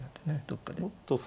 どっかで。